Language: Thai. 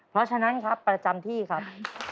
เพราะฉะนั้นครับประจำที่ครับ